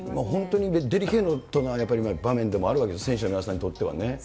本当に、デリケートな場面でもあるわけです、選手の皆さんにとってはね。